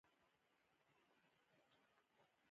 ته په نړۍ کې یو نوی شخص یې.